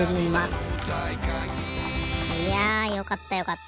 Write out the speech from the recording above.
いやよかったよかった。